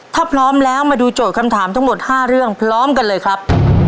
ถ้าพร้อมแล้วมาดูโจทย์คำถามทั้งหมด๕เรื่องพร้อมกันเลยครับ